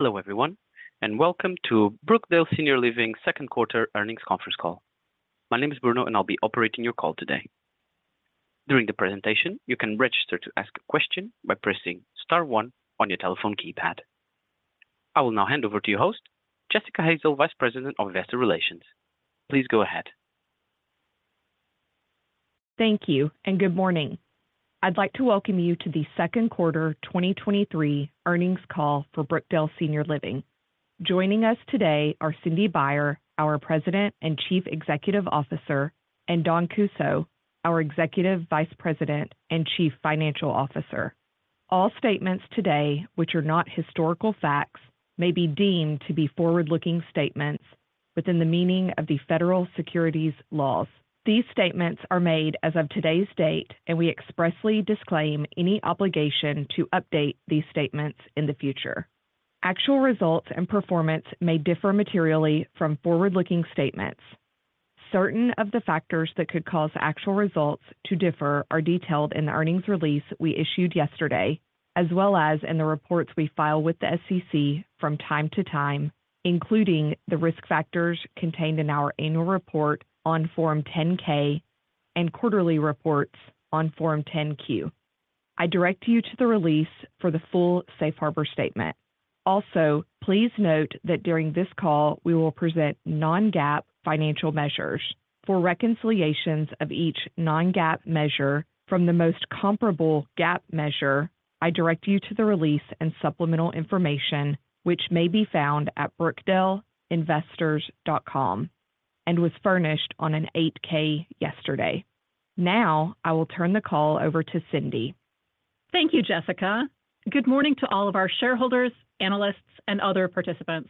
Hello, everyone, welcome to Brookdale Senior Living second quarter earnings conference call. My name is Bruno, I'll be operating your call today. During the presentation, you can register to ask a question by pressing star one on your telephone keypad. I will now hand over to your host, Jessica Hazel, Vice President of Investor Relations. Please go ahead. Thank you, and good morning. I'd like to welcome you to the 2nd quarter 2023 earnings call for Brookdale Senior Living. Joining us today are Cindy Baier, our President and Chief Executive Officer, and Dawn Kussow, our Executive Vice President and Chief Financial Officer. All statements today, which are not historical facts, may be deemed to be forward-looking statements within the meaning of the federal securities laws. These statements are made as of today's date, and we expressly disclaim any obligation to update these statements in the future. Actual results and performance may differ materially from forward-looking statements. Certain of the factors that could cause actual results to differ are detailed in the earnings release we issued yesterday, as well as in the reports we file with the SEC from time to time, including the risk factors contained in our annual report on Form 10-K and quarterly reports on Form 10-Q. I direct you to the release for the full safe harbor statement. Also, please note that during this call, we will present Non-GAAP financial measures. For reconciliations of each Non-GAAP measure from the most comparable GAAP measure, I direct you to the release and supplemental information, which may be found at brookdaleinvestors.com, and was furnished on an 8-K yesterday. Now, I will turn the call over to Cindy. Thank you, Jessica. Good morning to all of our shareholders, analysts, and other participants.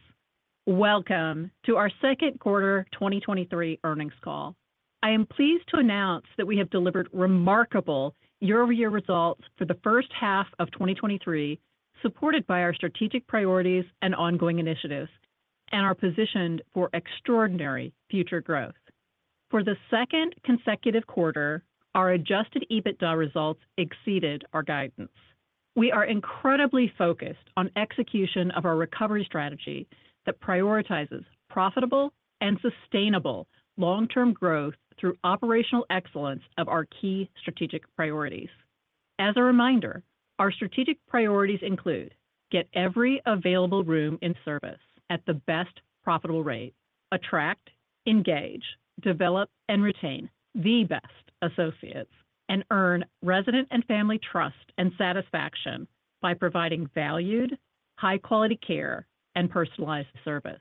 Welcome to our second quarter 2023 earnings call. I am pleased to announce that we have delivered remarkable year-over-year results for the first half of 2023, supported by our strategic priorities and ongoing initiatives, and are positioned for extraordinary future growth. For the second consecutive quarter, our Adjusted EBITDA results exceeded our guidance. We are incredibly focused on execution of our recovery strategy that prioritizes profitable and sustainable long-term growth through operational excellence of our key strategic priorities. As a reminder, our strategic priorities include: Get every available room in service at the best profitable rate, attract, engage, develop, and retain the best associates, and earn resident and family trust and satisfaction by providing valued, high-quality care, and personalized service.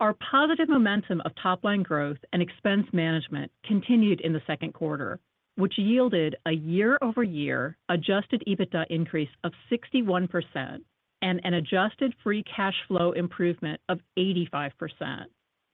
Our positive momentum of top-line growth and expense management continued in the second quarter, which yielded a year-over-year Adjusted EBITDA increase of 61% and an Adjusted Free Cash Flow improvement of 85%.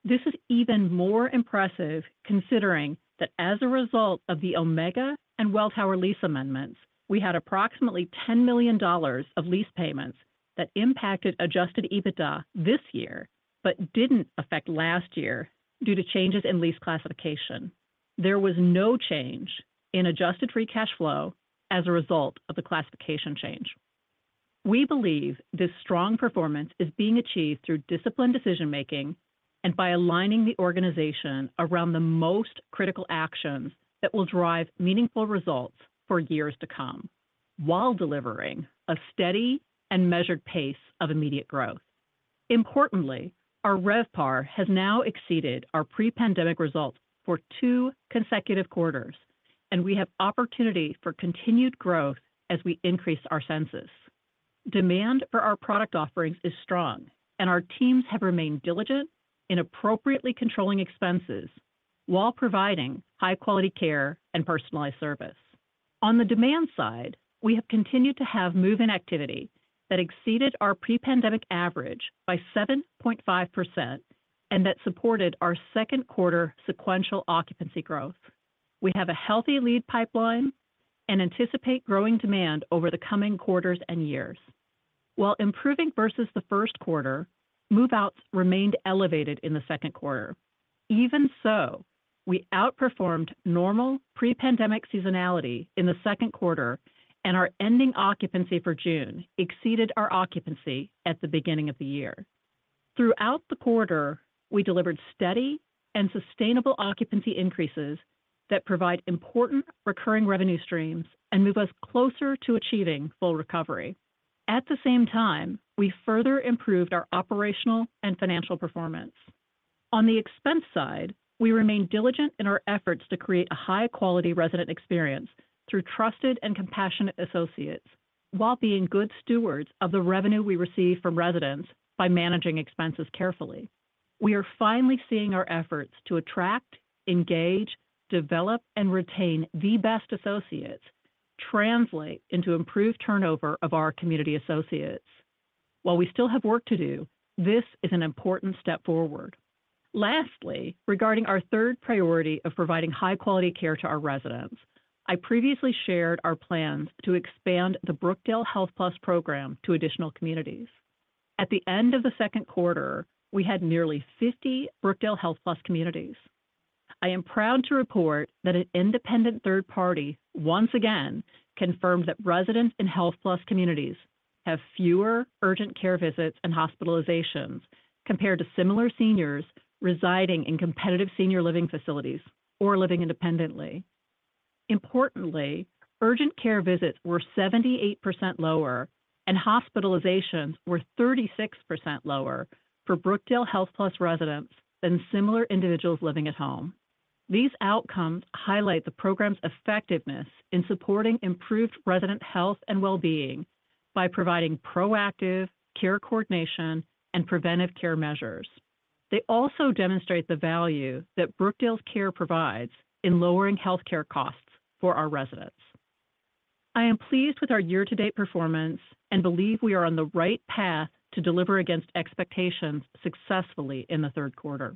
This is even more impressive, considering that as a result of the Omega and Welltower lease amendments, we had approximately $10 million of lease payments that impacted Adjusted EBITDA this year, but didn't affect last year due to changes in lease classification. There was no change in Adjusted Free Cash Flow as a result of the classification change. We believe this strong performance is being achieved through disciplined decision-making and by aligning the organization around the most critical actions that will drive meaningful results for years to come, while delivering a steady and measured pace of immediate growth. Importantly, our RevPAR has now exceeded our pre-pandemic results for 2 consecutive quarters. We have opportunity for continued growth as we increase our census. Demand for our product offerings is strong. Our teams have remained diligent in appropriately controlling expenses while providing high-quality care and personalized service. On the demand side, we have continued to have move-in activity that exceeded our pre-pandemic average by 7.5% and that supported our second quarter sequential occupancy growth. We have a healthy lead pipeline and anticipate growing demand over the coming quarters and years. While improving versus the first quarter, move-outs remained elevated in the second quarter. Even so, we outperformed normal pre-pandemic seasonality in the second quarter. Our ending occupancy for June exceeded our occupancy at the beginning of the year. Throughout the quarter, we delivered steady and sustainable occupancy increases that provide important recurring revenue streams and move us closer to achieving full recovery. At the same time, we further improved our operational and financial performance. On the expense side, we remain diligent in our efforts to create a high-quality resident experience through trusted and compassionate associates, while being good stewards of the revenue we receive from residents by managing expenses carefully. We are finally seeing our efforts to attract, engage, develop, and retain the best associates translate into improved turnover of our community associates. While we still have work to do, this is an important step forward. Lastly, regarding our third priority of providing high-quality care to our residents, I previously shared our plans to expand the Brookdale HealthPlus program to additional communities. At the end of the second quarter, we had nearly 50 Brookdale HealthPlus communities. I am proud to report that an independent third party once again confirmed that residents in HealthPlus communities have fewer urgent care visits and hospitalizations compared to similar seniors residing in competitive senior living facilities or living independently. Importantly, urgent care visits were 78% lower and hospitalizations were 36% lower for Brookdale HealthPlus residents than similar individuals living at home. These outcomes highlight the program's effectiveness in supporting improved resident health and well-being by providing proactive care coordination and preventive care measures. They also demonstrate the value that Brookdale's care provides in lowering healthcare costs for our residents. I am pleased with our year-to-date performance and believe we are on the right path to deliver against expectations successfully in the third quarter.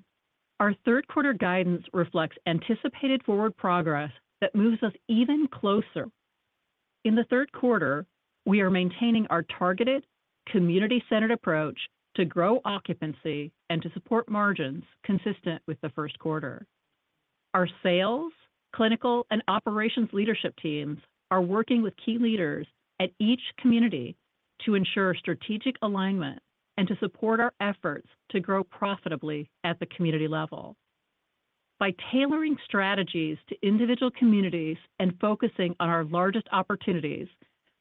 Our third quarter guidance reflects anticipated forward progress that moves us even closer. In the third quarter, we are maintaining our targeted, community-centered approach to grow occupancy and to support margins consistent with the first quarter. Our sales, clinical, and operations leadership teams are working with key leaders at each community to ensure strategic alignment and to support our efforts to grow profitably at the community level. By tailoring strategies to individual communities and focusing on our largest opportunities,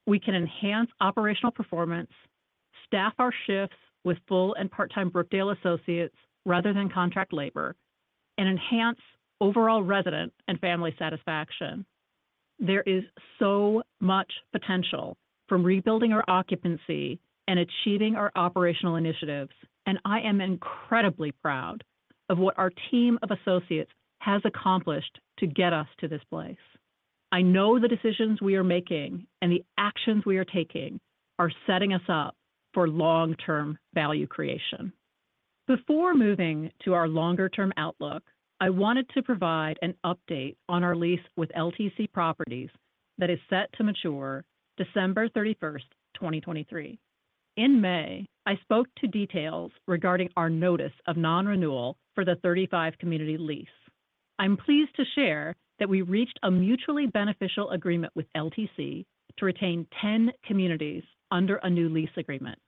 we can enhance operational performance, staff our shifts with full and part-time Brookdale associates rather than contract labor, and enhance overall resident and family satisfaction. There is so much potential from rebuilding our occupancy and achieving our operational initiatives, and I am incredibly proud of what our team of associates has accomplished to get us to this place. I know the decisions we are making and the actions we are taking are setting us up for long-term value creation. Before moving to our longer-term outlook, I wanted to provide an update on our lease with LTC Properties that is set to mature December 31st, 2023. In May, I spoke to details regarding our notice of non-renewal for the 35 community lease. I'm pleased to share that we reached a mutually beneficial agreement with LTC to retain 10 communities under a new lease agreement.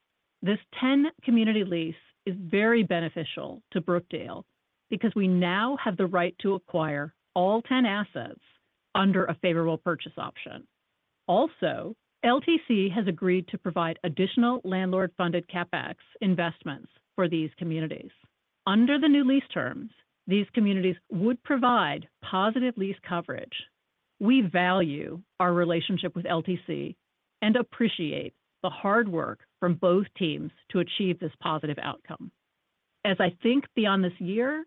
This 10-community lease is very beneficial to Brookdale because we now have the right to acquire all 10 assets under a favorable purchase option. Also, LTC has agreed to provide additional landlord-funded CapEx investments for these communities. Under the new lease terms, these communities would provide positive lease coverage. We value our relationship with LTC and appreciate the hard work from both teams to achieve this positive outcome. As I think beyond this year,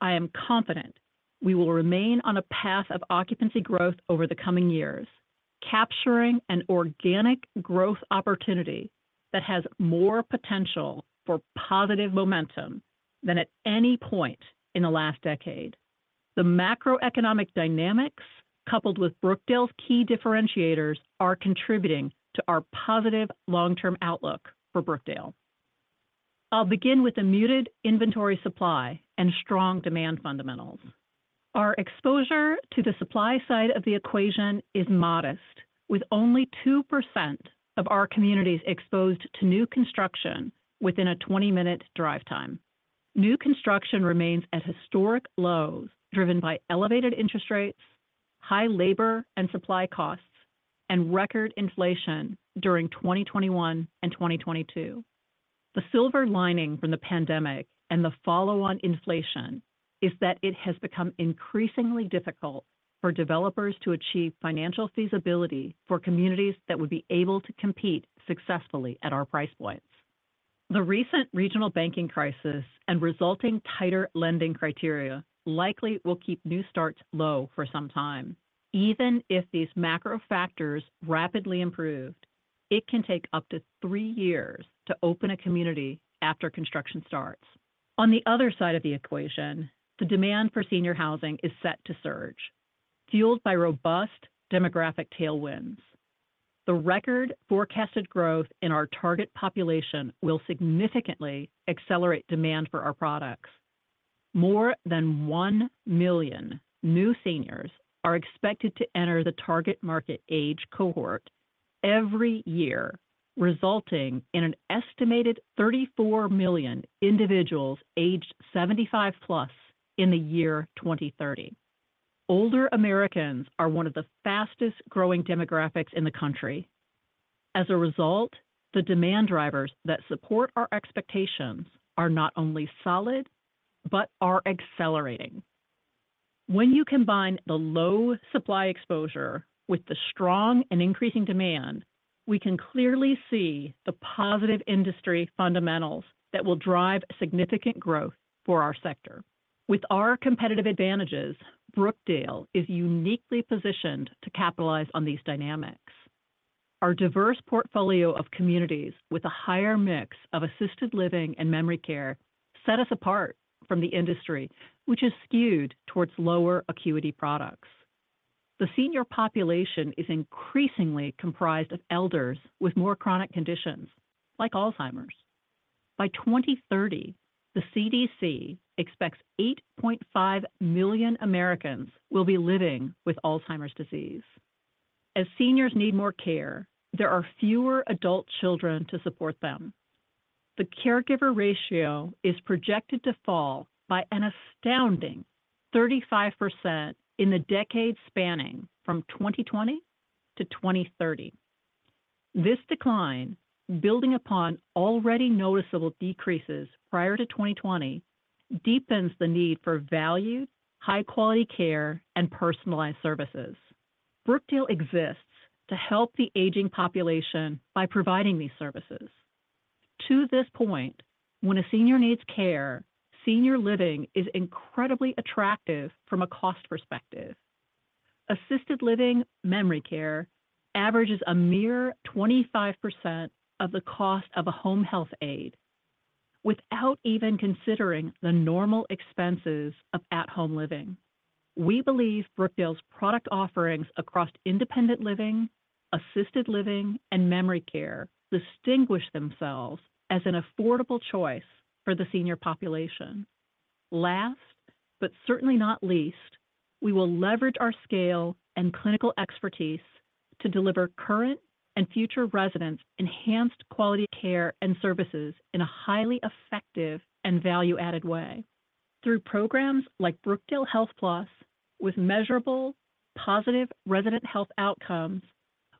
I am confident we will remain on a path of occupancy growth over the coming years, capturing an organic growth opportunity that has more potential for positive momentum than at any point in the last decade. The macroeconomic dynamics, coupled with Brookdale's key differentiators, are contributing to our positive long-term outlook for Brookdale. I'll begin with the muted inventory supply and strong demand fundamentals. Our exposure to the supply side of the equation is modest, with only 2% of our communities exposed to new construction within a 20-minute drive time. New construction remains at historic lows, driven by elevated interest rates, high labor and supply costs, and record inflation during 2021 and 2022. The silver lining from the pandemic and the follow-on inflation is that it has become increasingly difficult for developers to achieve financial feasibility for communities that would be able to compete successfully at our price points. The recent regional banking crisis and resulting tighter lending criteria likely will keep new starts low for some time. Even if these macro factors rapidly improved, it can take up to three years to open a community after construction starts. On the other side of the equation, the demand for senior housing is set to surge, fueled by robust demographic tailwinds. The record forecasted growth in our target population will significantly accelerate demand for our products. More than 1 million new seniors are expected to enter the target market age cohort every year, resulting in an estimated 34 million individuals aged 75 plus in the year 2030. Older Americans are one of the fastest-growing demographics in the country. As a result, the demand drivers that support our expectations are not only solid, but are accelerating. When you combine the low supply exposure with the strong and increasing demand, we can clearly see the positive industry fundamentals that will drive significant growth for our sector. With our competitive advantages, Brookdale is uniquely positioned to capitalize on these dynamics. Our diverse portfolio of communities with a higher mix of assisted living and memory care set us apart from the industry, which is skewed towards lower acuity products. The senior population is increasingly comprised of elders with more chronic conditions like Alzheimer's. By 2030, the CDC expects 8.5 million Americans will be living with Alzheimer's disease. As seniors need more care, there are fewer adult children to support them. The caregiver ratio is projected to fall by an astounding 35% in the decade spanning from 2020 to 2030. This decline, building upon already noticeable decreases prior to 2020, deepens the need for valued, high-quality care, and personalized services. Brookdale exists to help the aging population by providing these services. To this point, when a senior needs care, senior living is incredibly attractive from a cost perspective. Assisted living, memory care averages a mere 25% of the cost of a home health aide, without even considering the normal expenses of at-home living. We believe Brookdale's product offerings across independent living, assisted living, and memory care distinguish themselves as an affordable choice for the senior population. Last, but certainly not least, we will leverage our scale and clinical expertise to deliver current and future residents enhanced quality care and services in a highly effective and value-added way. Through programs like Brookdale HealthPlus, with measurable, positive resident health outcomes,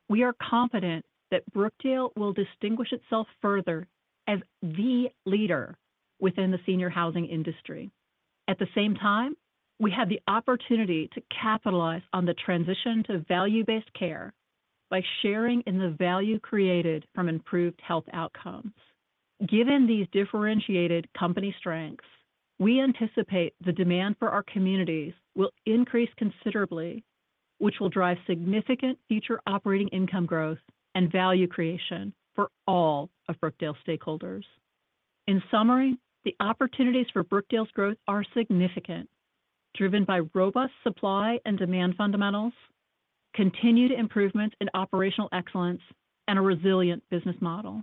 we are confident that Brookdale will distinguish itself further as the leader within the senior housing industry. At the same time, we have the opportunity to capitalize on the transition to value-based care by sharing in the value created from improved health outcomes. Given these differentiated company strengths, we anticipate the demand for our communities will increase considerably, which will drive significant future operating income growth and value creation for all of Brookdale's stakeholders. In summary, the opportunities for Brookdale's growth are significant, driven by robust supply and demand fundamentals, continued improvement in operational excellence, and a resilient business model.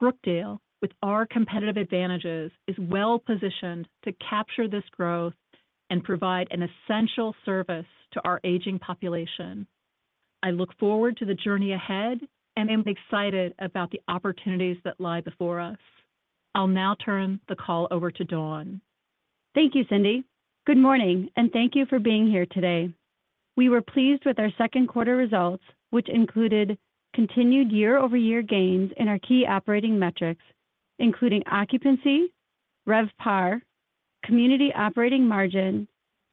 Brookdale, with our competitive advantages, is well-positioned to capture this growth and provide an essential service to our aging population. I look forward to the journey ahead, and am excited about the opportunities that lie before us. I'll now turn the call over to Dawn. Thank you, Cindy. Good morning, and thank you for being here today. We were pleased with our second quarter results, which included continued year-over-year gains in our key operating metrics, including occupancy, RevPAR, community operating margin,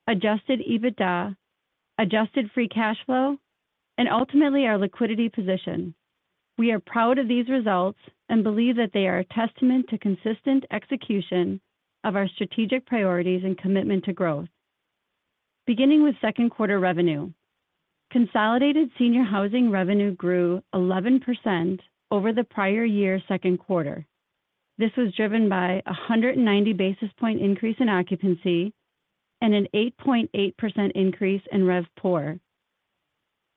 Adjusted EBITDA, Adjusted Free Cash Flow, and ultimately, our liquidity position. We are proud of these results and believe that they are a testament to consistent execution of our strategic priorities and commitment to growth. Beginning with second quarter revenue, consolidated senior housing revenue grew 11% over the prior year's second quarter. This was driven by a 190 basis point increase in occupancy and an 8.8% increase in RevPOR.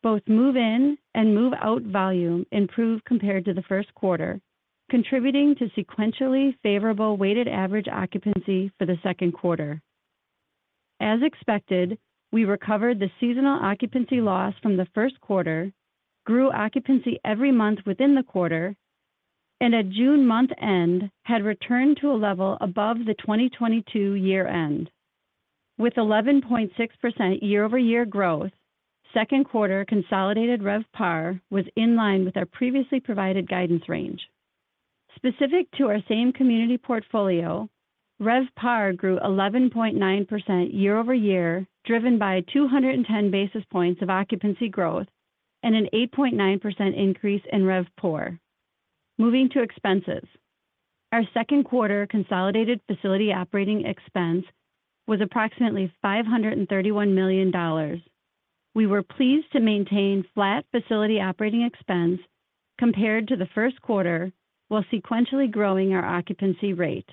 Both move-in and move-out volume improved compared to the first quarter, contributing to sequentially favorable weighted average occupancy for the second quarter. As expected, we recovered the seasonal occupancy loss from the first quarter, grew occupancy every month within the quarter, at June month-end, had returned to a level above the 2022 year-end. With 11.6% year-over-year growth, second quarter consolidated RevPAR was in line with our previously provided guidance range. Specific to our same-community portfolio, RevPAR grew 11.9% year-over-year, driven by 210 basis points of occupancy growth and an 8.9% increase in RevPOR. Moving to expenses. Our second quarter consolidated facility operating expense was approximately $531 million. We were pleased to maintain flat facility operating expense compared to the first quarter, while sequentially growing our occupancy rate.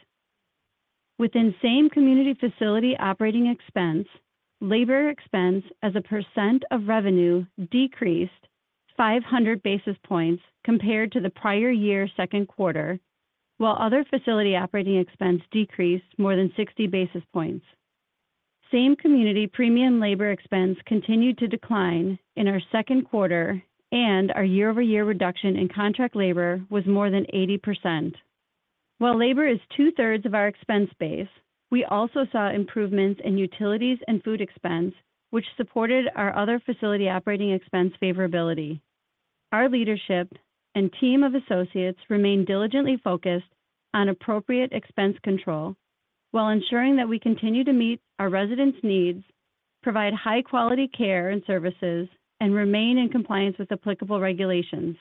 Within same community facility operating expense, labor expense as a % of revenue decreased 500 basis points compared to the prior year's second quarter, while other facility operating expense decreased more than 60 basis points. Same community premium labor expense continued to decline in our second quarter, and our year-over-year reduction in contract labor was more than 80%. While labor is 2/3 of our expense base, we also saw improvements in utilities and food expense, which supported our other facility operating expense favorability. Our leadership and team of associates remain diligently focused on appropriate expense control while ensuring that we continue to meet our residents' needs, provide high-quality care and services, and remain in compliance with applicable regulations.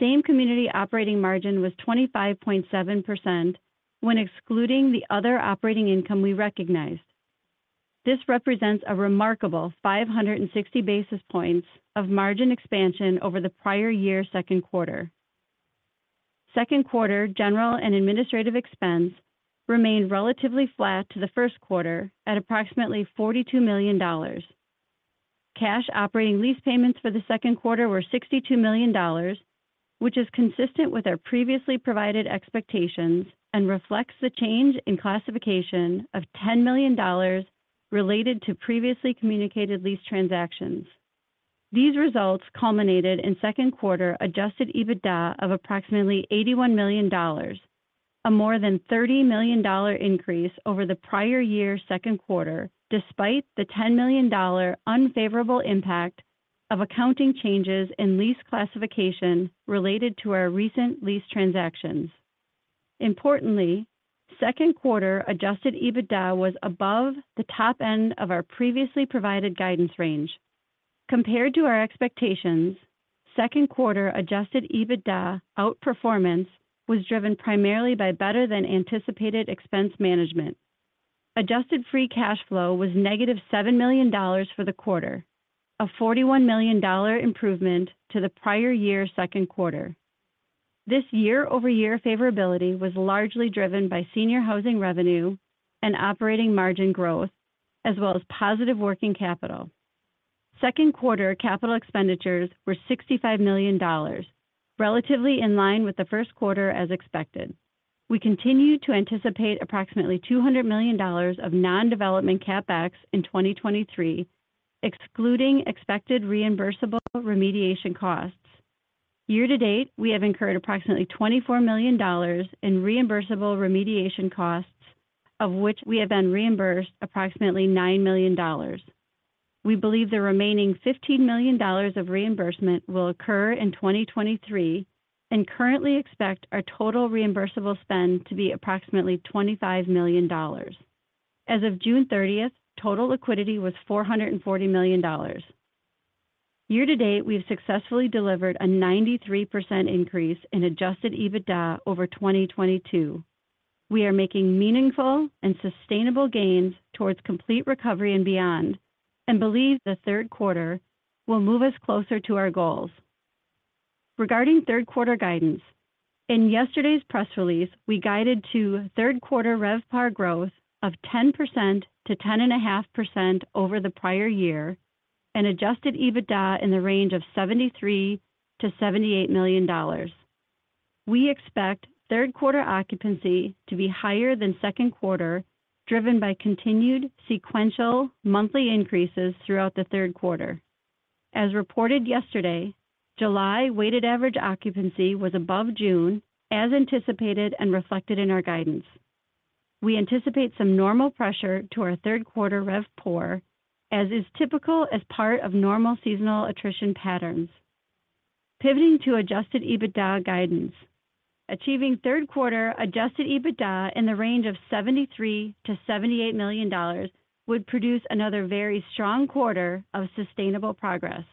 Same community operating margin was 25.7% when excluding the other operating income we recognized. This represents a remarkable 560 basis points of margin expansion over the prior year's second quarter. Second quarter general and administrative expense remained relatively flat to the first quarter at approximately $42 million. Cash operating lease payments for the second quarter were $62 million, which is consistent with our previously provided expectations and reflects the change in classification of $10 million related to previously communicated lease transactions. These results culminated in second quarter Adjusted EBITDA of approximately $81 million, a more than $30 million increase over the prior year's second quarter, despite the $10 million unfavorable impact of accounting changes in lease classification related to our recent lease transactions. Importantly, second quarter Adjusted EBITDA was above the top end of our previously provided guidance range. Compared to our expectations, second quarter Adjusted EBITDA outperformance was driven primarily by better than anticipated expense management. Adjusted Free Cash Flow was negative $7 million for the quarter, a $41 million improvement to the prior year's second quarter. This year-over-year favorability was largely driven by senior housing revenue and operating margin growth, as well as positive working capital. Second quarter capital expenditures were $65 million, relatively in line with the first quarter as expected. We continue to anticipate approximately $200 million of non-development CapEx in 2023, excluding expected reimbursable remediation costs. Year to date, we have incurred approximately $24 million in reimbursable remediation costs, of which we have been reimbursed approximately $9 million. We believe the remaining $15 million of reimbursement will occur in 2023, and currently expect our total reimbursable spend to be approximately $25 million. As of June 30th, total liquidity was $440 million. Year to date, we've successfully delivered a 93% increase in Adjusted EBITDA over 2022. We are making meaningful and sustainable gains towards complete recovery and beyond, believe the third quarter will move us closer to our goals. Regarding third quarter guidance, in yesterday's press release, we guided to third quarter RevPAR growth of 10%-10.5% over the prior year, and Adjusted EBITDA in the range of $73 million-$78 million. We expect third quarter occupancy to be higher than second quarter, driven by continued sequential monthly increases throughout the third quarter. As reported yesterday, July weighted average occupancy was above June, as anticipated and reflected in our guidance. We anticipate some normal pressure to our third quarter RevPOR, as is typical as part of normal seasonal attrition patterns. Pivoting to Adjusted EBITDA guidance. Achieving third quarter Adjusted EBITDA in the range of $73 million-$78 million would produce another very strong quarter of sustainable progress.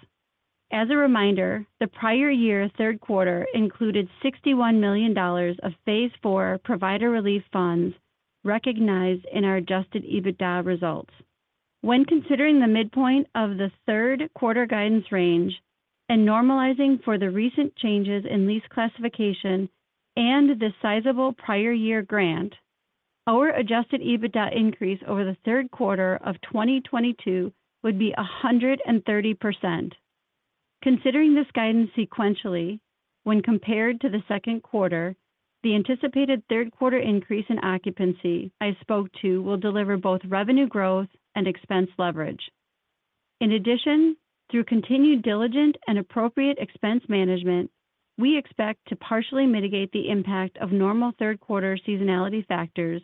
As a reminder, the prior year's third quarter included $61 million of Phase 4 Provider Relief Funds recognized in our Adjusted EBITDA results. When considering the midpoint of the third quarter guidance range and normalizing for the recent changes in lease classification and the sizable prior year grant, our Adjusted EBITDA increase over the third quarter of 2022 would be 130%. Considering this guidance sequentially, when compared to the second quarter, the anticipated third quarter increase in occupancy I spoke to will deliver both revenue growth and expense leverage. Through continued diligent and appropriate expense management, we expect to partially mitigate the impact of normal third quarter seasonality factors,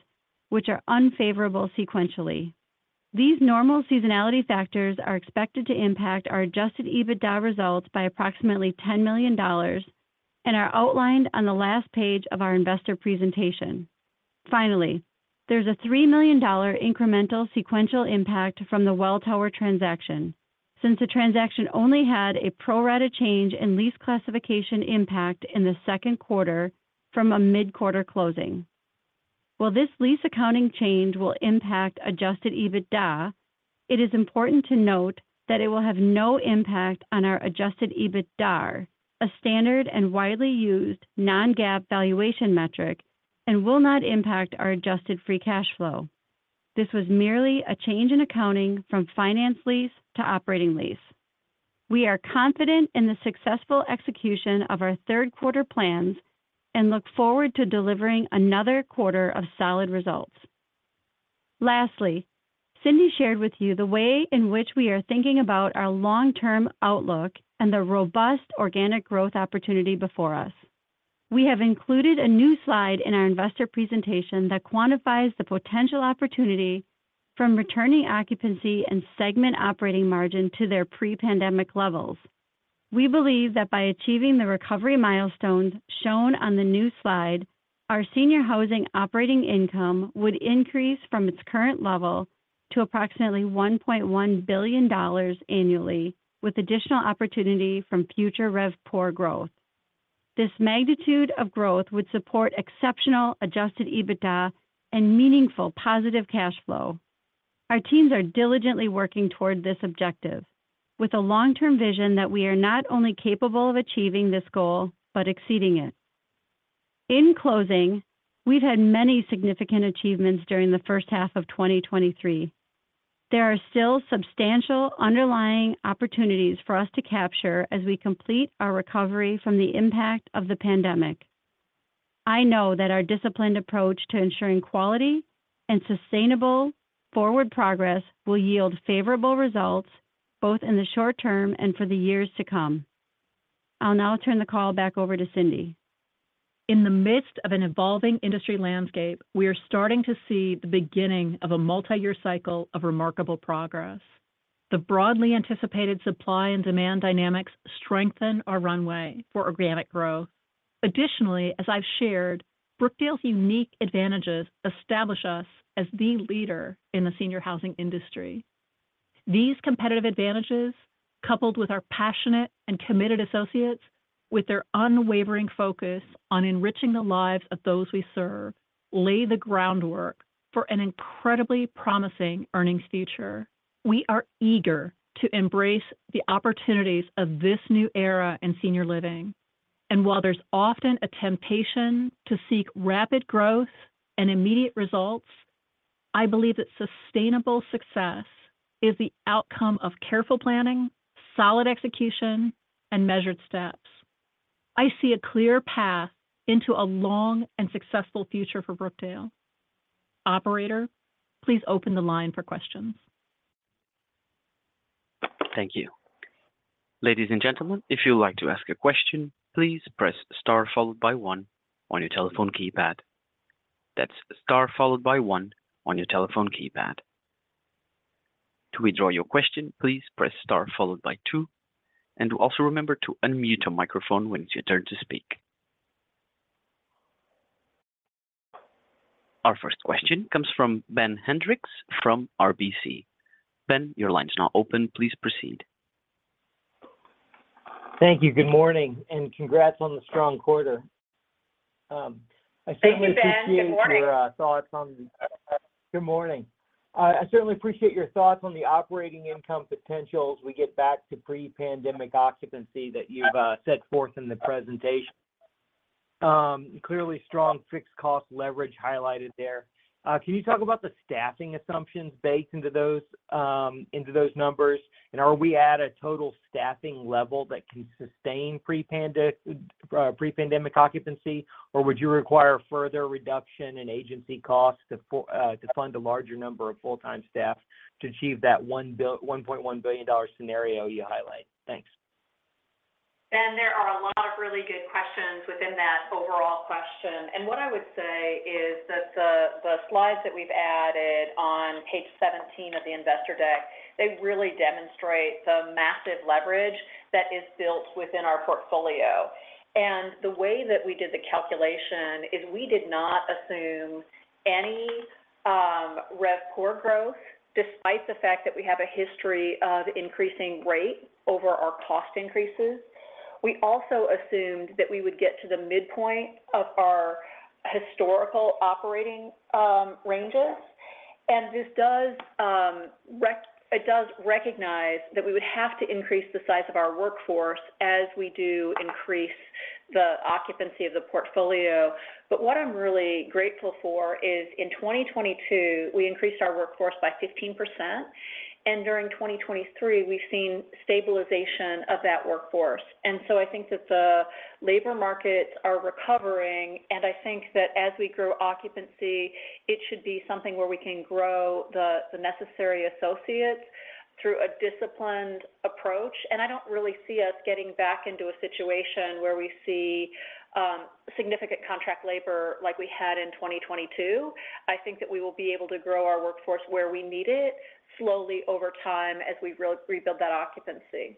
which are unfavorable sequentially. These normal seasonality factors are expected to impact our Adjusted EBITDA results by approximately $10 million and are outlined on the last page of our investor presentation. Finally, there's a $3 million incremental sequential impact from the Welltower transaction, since the transaction only had a pro rata change in lease classification impact in the second quarter from a mid-quarter closing. While this lease accounting change will impact Adjusted EBITDA, it is important to note that it will have no impact on our Adjusted EBITDAR, a standard and widely used Non-GAAP valuation metric, and will not impact our Adjusted Free Cash Flow. This was merely a change in accounting from finance lease to operating lease. We are confident in the successful execution of our third quarter plans and look forward to delivering another quarter of solid results. Lastly, Cindy shared with you the way in which we are thinking about our long-term outlook and the robust organic growth opportunity before us. We have included a new slide in our investor presentation that quantifies the potential opportunity from returning occupancy and segment operating margin to their pre-pandemic levels. We believe that by achieving the recovery milestones shown on the new slide, our senior housing operating income would increase from its current level to approximately $1.1 billion annually, with additional opportunity from future RevPOR growth. This magnitude of growth would support exceptional Adjusted EBITDA and meaningful positive cash flow. Our teams are diligently working toward this objective, with a long-term vision that we are not only capable of achieving this goal, but exceeding it. In closing, we've had many significant achievements during the first half of 2023. There are still substantial underlying opportunities for us to capture as we complete our recovery from the impact of the pandemic. I know that our disciplined approach to ensuring quality and sustainable forward progress will yield favorable results, both in the short term and for the years to come. I'll now turn the call back over to Cindy. In the midst of an evolving industry landscape, we are starting to see the beginning of a multiyear cycle of remarkable progress. The broadly anticipated supply and demand dynamics strengthen our runway for organic growth. Additionally, as I've shared, Brookdale's unique advantages establish us as the leader in the senior housing industry. These competitive advantages, coupled with our passionate and committed associates, with their unwavering focus on enriching the lives of those we serve, lay the groundwork for an incredibly promising earnings future. We are eager to embrace the opportunities of this new era in senior living. While there's often a temptation to seek rapid growth and immediate results, I believe that sustainable success is the outcome of careful planning, solid execution, and measured steps. I see a clear path into a long and successful future for Brookdale. Operator, please open the line for questions. Thank you. Ladies and gentlemen, if you would like to ask a question, please press star followed by one on your telephone keypad. That's star followed by one on your telephone keypad. To withdraw your question, please press star followed by two, and also remember to unmute your microphone when it's your turn to speak. Our first question comes from Ben Hendrix from RBC. Ben, your line is now open. Please proceed. Thank you. Good morning, congrats on the strong quarter. I certainly appreciate- Thank you, Ben. Good morning Your thoughts on. Good morning. I certainly appreciate your thoughts on the operating income potential as we get back to pre-pandemic occupancy that you've set forth in the presentation. Clearly strong fixed cost leverage highlighted there. Can you talk about the staffing assumptions baked into those into those numbers? Are we at a total staffing level that can sustain pre-pandemic occupancy, or would you require further reduction in agency costs to full to fund a larger number of full-time staff to achieve that $1.1 billion scenario you highlight? Thanks. Ben, there are a lot of really good questions within that overall question. What I would say is that the slides that we've added on page 17 of the investor deck, they really demonstrate the massive leverage that is built within our portfolio. The way that we did the calculation is we did not assume any RevPOR growth, despite the fact that we have a history of increasing rate over our cost increases. We also assumed that we would get to the midpoint of our historical operating ranges. This does recognize that we would have to increase the size of our workforce as we do increase the occupancy of the portfolio. What I'm really grateful for is in 2022, we increased our workforce by 15%, and during 2023, we've seen stabilization of that workforce. I think that the labor markets are recovering, and I think that as we grow occupancy, it should be something where we can grow the, the necessary associates through a disciplined approach. I don't really see us getting back into a situation where we see significant contract labor like we had in 2022. I think that we will be able to grow our workforce where we need it, slowly over time as we re- rebuild that occupancy.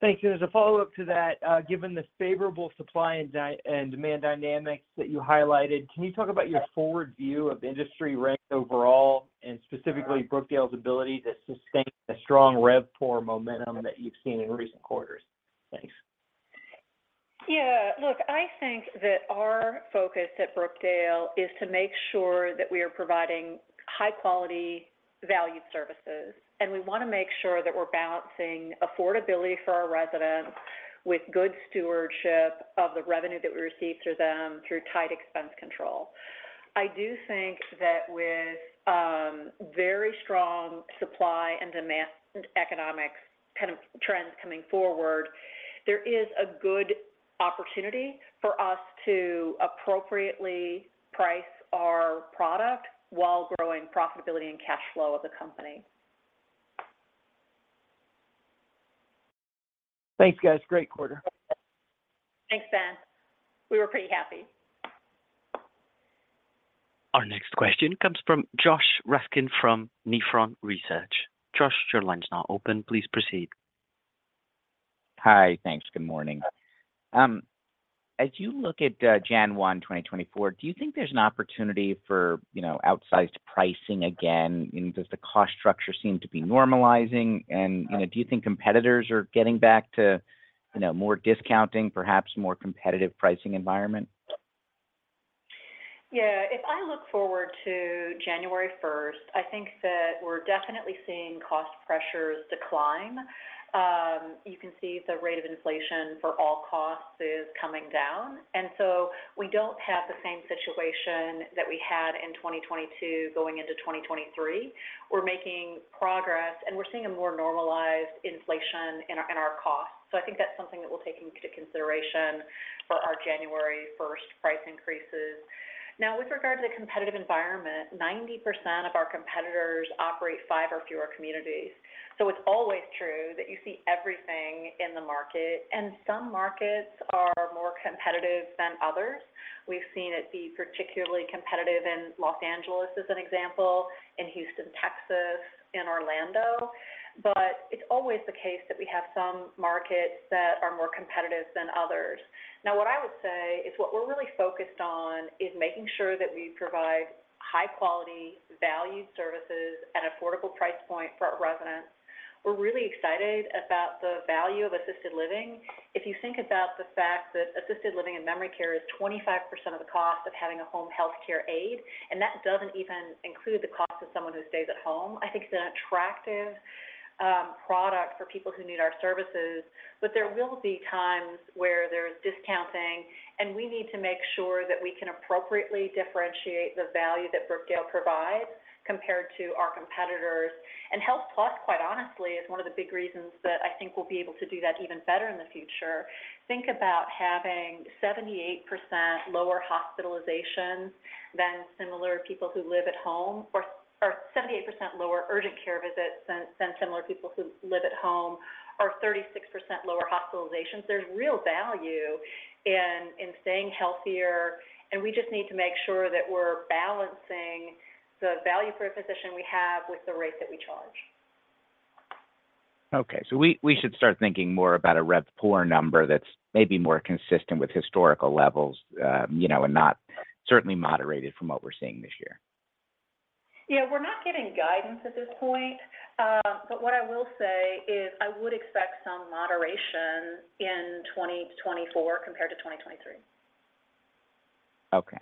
Thank you. As a follow-up to that, given the favorable supply and demand dynamics that you highlighted, can you talk about your forward view of industry rent overall, and specifically Brookdale's ability to sustain the strong RevPOR momentum that you've seen in recent quarters? Thanks. Yeah, look, I think that our focus at Brookdale is to make sure that we are providing high-quality, valued services, and we want to make sure that we're balancing affordability for our residents with good stewardship of the revenue that we receive through them through tight expense control. I do think that with very strong supply and demand economics kind of trends coming forward, there is a good opportunity for us to appropriately price our product while growing profitability and cash flow of the company. Thanks, guys. Great quarter. Thanks, Ben. We were pretty happy. Our next question comes from Josh Raskin from Nephron Research. Josh, your line is now open. Please proceed. Hi. Thanks. Good morning. As you look at January 1, 2024, do you think there's an opportunity for, you know, outsized pricing again? Does the cost structure seem to be normalizing? Do you think competitors are getting back to, you know, more discounting, perhaps more competitive pricing environment? Yeah, if I look forward to January first, I think that we're definitely seeing cost pressures decline. You can see the rate of inflation for all costs is coming down, we don't have the same situation that we had in 2022 going into 2023. We're making progress, and we're seeing a more normalized inflation in our, in our costs. I think that's something that we'll take into consideration for our January first price increases. With regard to the competitive environment, 90% of our competitors operate 5 or fewer communities. It's always true that you see everything in the market, and some markets are more competitive than others. We've seen it be particularly competitive in Los Angeles, as an example, in Houston, Texas, and Orlando. It's always the case that we have some markets that are more competitive than others. What I would say is what we're really focused on is making sure that we provide high-quality, valued services at affordable price point for our residents. We're really excited about the value of assisted living. If you think about the fact that assisted living and memory care is 25% of the cost of having a home health care aide, and that doesn't even include the cost of someone who stays at home, I think it's an attractive product for people who need our services. There will be times where there's discounting, and we need to make sure that we can appropriately differentiate the value that Brookdale provides compared to our competitors. HealthPlus, quite honestly, is one of the big reasons that I think we'll be able to do that even better in the future. Think about having 78% lower hospitalizations than similar people who live at home, or 78% lower urgent care visits than similar people who live at home, or 36% lower hospitalizations. There's real value in, in staying healthier, and we just need to make sure that we're balancing the value proposition we have with the rate that we charge. Okay, we should start thinking more about a RevPAR number that's maybe more consistent with historical levels, you know, and not certainly moderated from what we're seeing this year. Yeah, we're not giving guidance at this point, but what I will say is I would expect some moderation in 2024 compared to 2023. Okay.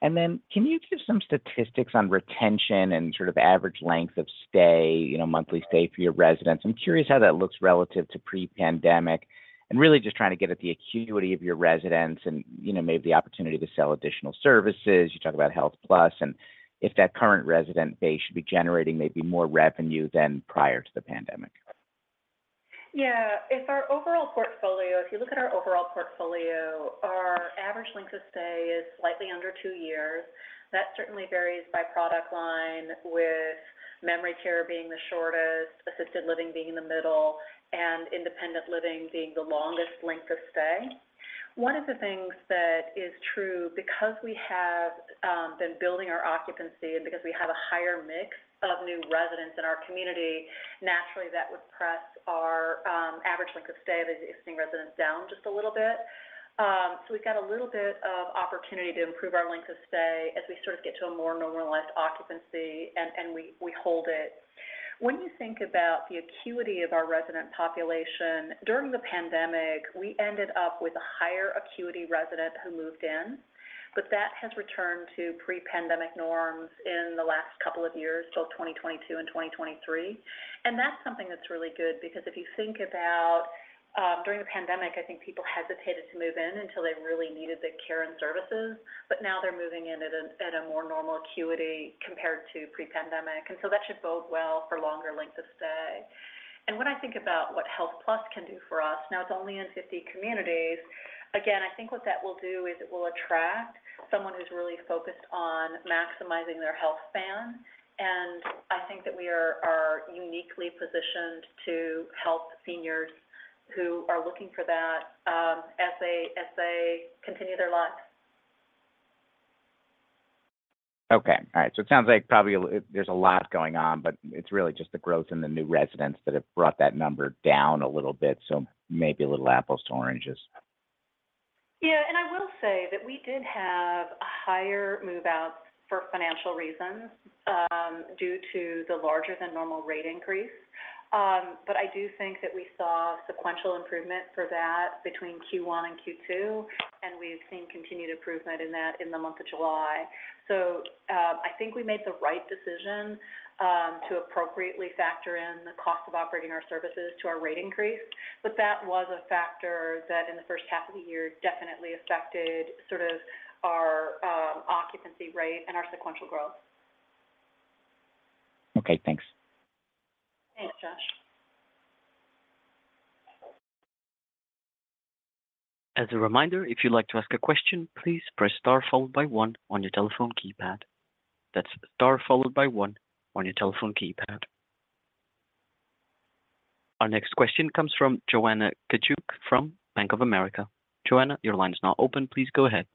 Can you give some statistics on retention and sort of average length of stay, you know, monthly stay for your residents? I'm curious how that looks relative to pre-pandemic. Really just trying to get at the acuity of your residents and, you know, maybe the opportunity to sell additional services. You talked about HealthPlus, and if that current resident base should be generating maybe more revenue than prior to the pandemic. Yeah. If our overall portfolio-- If you look at our overall portfolio, our average length of stay is slightly under 2 years. That certainly varies by product line, with memory care being the shortest, assisted living being in the middle, and independent living being the longest length of stay. One of the things that is true, because we have been building our occupancy and because we have a higher mix of new residents in our community, naturally, that would press our average length of stay of existing residents down just a little bit. We've got a little bit of opportunity to improve our length of stay as we sort of get to a more normalized occupancy and, and we, we hold it. When you think about the acuity of our resident population, during the pandemic, we ended up with a higher acuity resident who moved in, but that has returned to pre-pandemic norms in the last couple of years, till 2022 and 2023. That's something that's really good because if you think about during the pandemic, I think people hesitated to move in until they really needed the care and services, but now they're moving in at a more normal acuity compared to pre-pandemic, so that should bode well for longer length of stay. When I think about what HealthPlus can do for us, now it's only in 50 communities. Again, I think what that will do is it will attract someone who's really focused on maximizing their health span, and I think that we are, are uniquely positioned to help seniors who are looking for that, as they, as they continue their lives. Okay. All right. It sounds like probably there's a lot going on, but it's really just the growth in the new residents that have brought that number down a little bit. Maybe a little apples to oranges. Yeah, I will say that we did have a higher move-out for financial reasons, due to the larger than normal rate increase. I do think that we saw sequential improvement for that between Q1 and Q2, and we've seen continued improvement in that in the month of July. I think we made the right decision to appropriately factor in the cost of operating our services to our rate increase. That was a factor that in the first half of the year, definitely affected sort of our occupancy rate and our sequential growth. Okay, thanks. Thanks, Josh. As a reminder, if you'd like to ask a question, please press Star followed by 1 on your telephone keypad. That's Star followed by 1 on your telephone keypad. Our next question comes from Joanna Gajuk from Bank of America. Joanna, your line is now open. Please go ahead.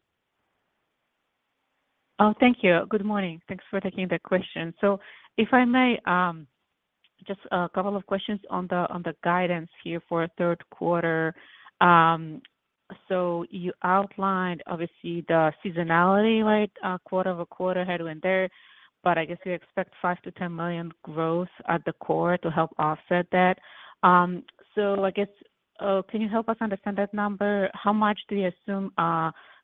Oh, thank you. Good morning. Thanks for taking the question. If I may, just a couple of questions on the guidance here for third quarter. You outlined, obviously, the seasonality, like, quarter-over-quarter had went there, but I guess you expect $5 million-$10 million growth at the core to help offset that. I guess, can you help us understand that number? How much do you assume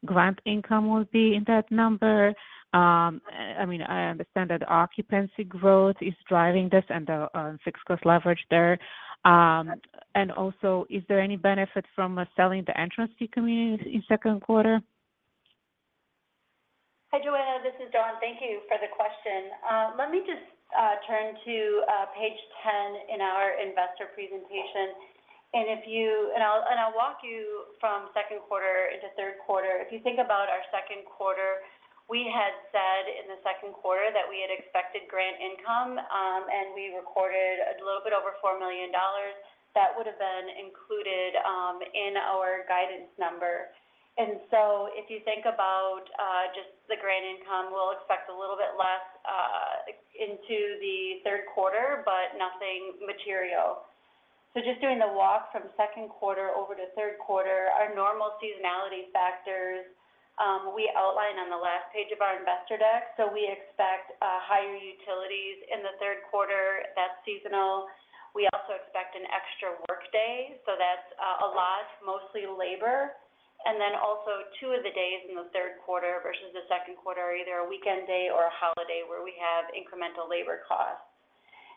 grant income will be in that number? I mean, I understand that occupancy growth is driving this and the fixed cost leverage there. Also, is there any benefit from selling the Entrance Fee communities in second quarter? Hi, Joanna, this is Dawn. Thank you for the question. Let me just turn to page 10 in our investor presentation. I'll, and I'll walk you from second quarter into third quarter. If you think about our second quarter, we had said in the second quarter that we had expected grant income, and we recorded a little bit over $4 million. That would have been included in our guidance number. If you think about just the grant income, we'll expect a little bit less into the third quarter, but nothing material. Just doing the walk from second quarter over to third quarter, our normal seasonality factors, we outlined on the last page of our investor deck, we expect higher utilities in the third quarter. That's seasonal. We also expect an extra workday, that's a lot, mostly labor. Then also 2 of the days in the third quarter versus the second quarter are either a weekend day or a holiday where we have incremental labor costs.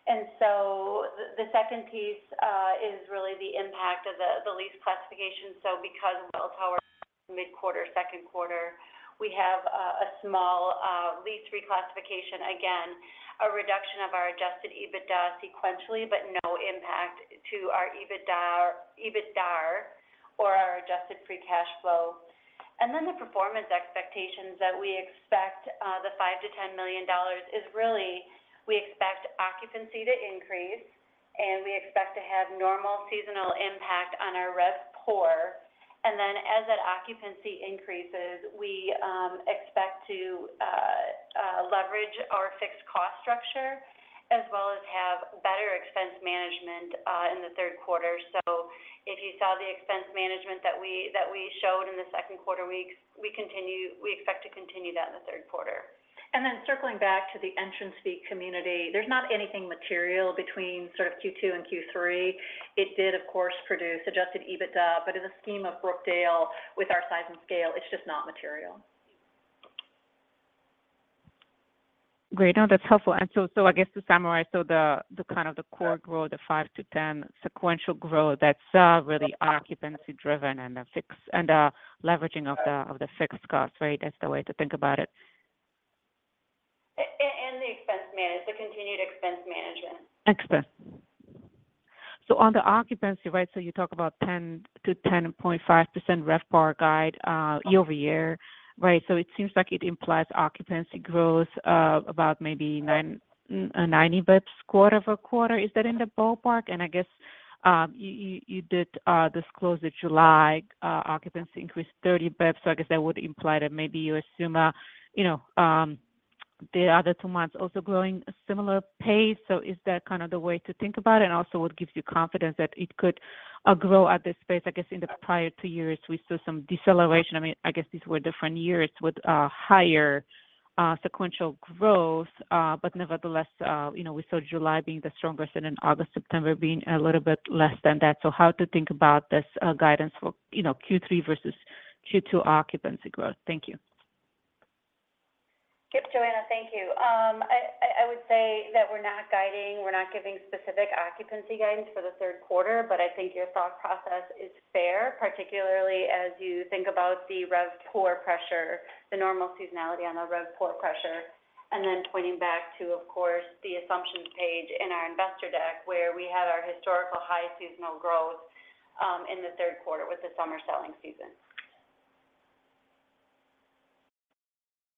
The second piece is really the impact of the lease classification. Because of Welltower midquarter, second quarter, we have a small lease reclassification. Again, a reduction of our Adjusted EBITDA sequentially, but no impact to our EBITDA, EBITDA or our Adjusted Free Cash Flow. Then the performance expectations that we expect, the $5 million-$10 million is really, we expect occupancy to increase, and we expect to have normal seasonal impact on our RevPOR. As that occupancy increases, we, expect to, leverage our fixed cost structure as well as have better expense management, in the third quarter. If you saw the expense management that we, that we showed in the second quarter, we, we expect to continue that in the third quarter. Circling back to the Entrance Fee community, there's not anything material between sort of Q2 and Q3. It did, of course, produce Adjusted EBITDA, but in the scheme of Brookdale, with our size and scale, it's just not material. Great. No, that's helpful. So, so I guess to summarize, so the, the kind of the core growth, the 5-10 sequential growth, that's really occupancy driven and leveraging of the, of the fixed costs, right? That's the way to think about it. The continued expense management. Expense. On the occupancy, right, so you talk about 10% to 10.5% RevPOR guide, year-over-year, right? It seems like it implies occupancy growth, about maybe 90 basis points quarter-over-quarter. Is that in the ballpark? I guess, you, you, you did disclose that July occupancy increased 30 basis points. I guess that would imply that maybe you assume, you know, the other two months also growing a similar pace. Is that kind of the way to think about it? Also, what gives you confidence that it could grow at this pace? I guess in the prior two years, we saw some deceleration. I mean, I guess these were different years with higher sequential growth. Nevertheless, you know, we saw July being the strongest and then August, September being a little bit less than that. How to think about this guidance for, you know, Q3 versus Q2 occupancy growth? Thank you. Yep, Joanna, thank you. I would say that we're not guiding, we're not giving specific occupancy guidance for the third quarter, but I think your thought process is fair, particularly as you think about the RevPOR pressure, the normal seasonality on the RevPOR pressure, and then pointing back to, of course, the assumptions page in our investor deck, where we had our historical high seasonal growth in the third quarter with the summer selling season.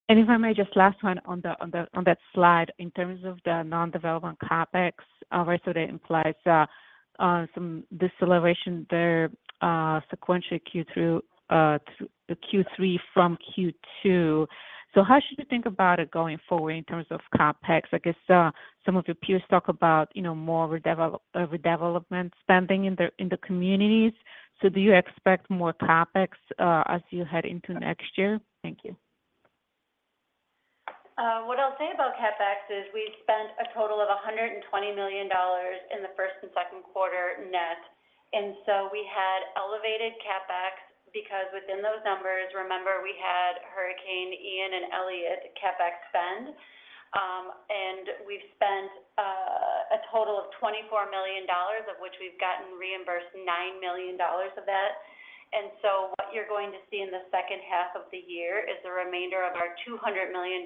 If I may, just last one on the, on the, on that slide, in terms of the non-development CapEx, right, so that implies some deceleration there, sequentially Q2 to Q3 from Q2. How should we think about it going forward in terms of CapEx? I guess, some of your peers talk about, you know, more redevelop, redevelopment spending in the, in the communities. Do you expect more CapEx as you head into next year? Thank you. What I'll say about CapEx is we spent a total of $120 million in the first and second quarter net, we had elevated CapEx because within those numbers, remember, we had Hurricane Ian and Elliott CapEx spend. We've spent a total of $24 million, of which we've gotten reimbursed $9 million of that. What you're going to see in the second half of the year is the remainder of our $200 million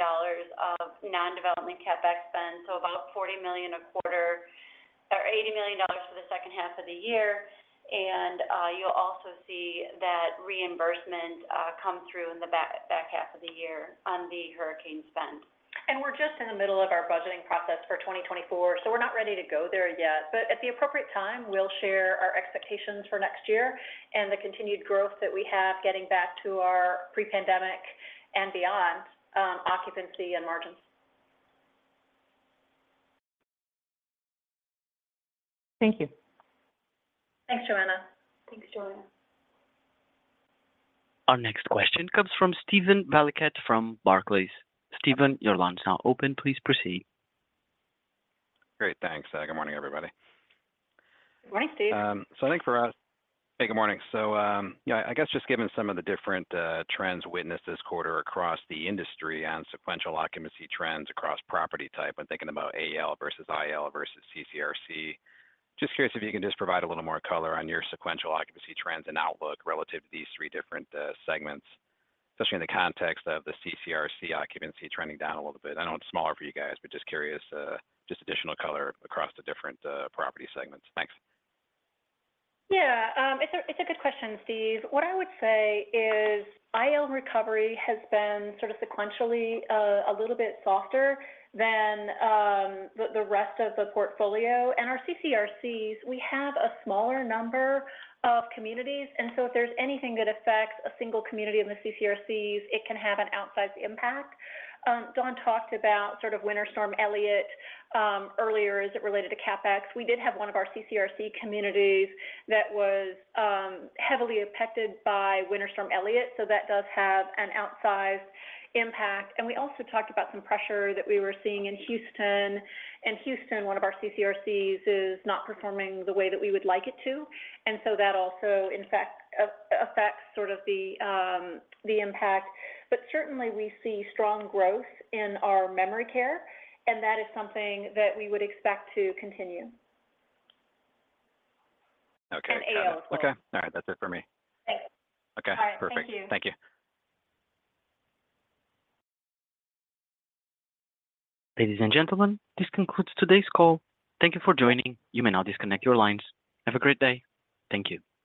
of non-development CapEx spend, so about $40 million a quarter or $80 million for the second half of the year. You'll also see that reimbursement come through in the back, back half of the year on the hurricane spend. We're just in the middle of our budgeting process for 2024, so we're not ready to go there yet. At the appropriate time, we'll share our expectations for next year and the continued growth that we have getting back to our pre-pandemic and beyond occupancy and margins. Thank you. Thanks, Joanna. Thanks, Joanna. Our next question comes from Steven Valiquette from Barclays. Steven, your line is now open. Please proceed. Great, thanks. Good morning, everybody. Good morning, Steve. I think for us... Hey, good morning. Yeah, I guess just given some of the different trends witnessed this quarter across the industry and sequential occupancy trends across property type, I'm thinking about AL versus IL versus CCRC. Just curious if you can just provide a little more color on your sequential occupancy trends and outlook relative to these three different segments, especially in the context of the CCRC occupancy trending down a little bit? I know it's smaller for you guys, but just curious, just additional color across the different property segments. Thanks. Yeah, it's a good question, Steve. What I would say is IL recovery has been sort of sequentially a little bit softer than the rest of the portfolio. Our CCRCs, we have a smaller number of communities, and so if there's anything that affects a single community in the CCRCs, it can have an outsized impact. Dawn talked about sort of Winter Storm Elliott earlier, as it related to CapEx. We did have one of our CCRC communities that was heavily affected by Winter Storm Elliott, so that does have an outsized impact. We also talked about some pressure that we were seeing in Houston. In Houston, one of our CCRCs is not performing the way that we would like it to, and so that also, in fact, affects sort of the impact. Certainly, we see strong growth in our memory care, and that is something that we would expect to continue. Okay. AL as well. Okay. All right. That's it for me. Thanks. Okay, perfect. All right. Thank you. Thank you. Ladies and gentlemen, this concludes today's call. Thank you for joining. You may now disconnect your lines. Have a great day. Thank you.